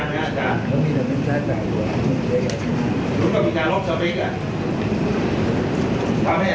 มันก็มีแต่เป็นจ้าจ่ายหรืออะไรมันก็ไม่ได้